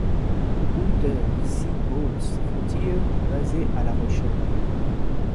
Unterseebootsflottille basée à La Rochelle.